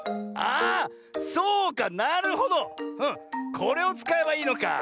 これをつかえばいいのか。